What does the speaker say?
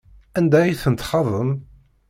Anda ay tent-txaḍem?